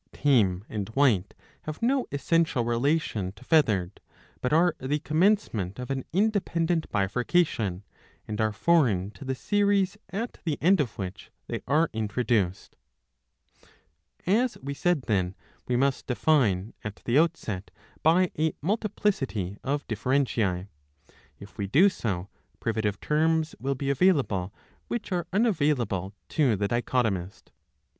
Tame and White have no essential relation to Feathered, but are the commencement of an independent bifurcation, and are foreign to the series at the end of which they are introduced. As we said then, we must define at the outset by a multi plicity of differentiae. If we do so, privative terms will be available, which are unavailable to the dichotomist. 643 b. 14 1.